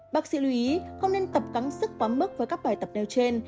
bác sĩ lưu ý không nên tập cắn sức quá mức với các bài tập nêu trên